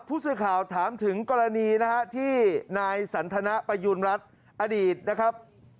ผู้สื่อข่าวถามถึงกรณีนะฮะที่นายสันทนประยูณรัฐอดีตนะครับ